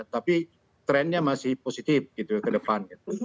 tapi trennya masih positif gitu ke depan